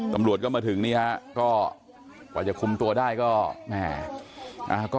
ตำรวจก็มาถึงเนี่ยกว่าจะคุมตัวได้ก็